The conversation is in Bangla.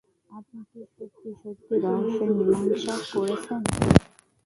আপনি কি সত্যি-সত্যি রহস্যের মীমাংসা করেছেন?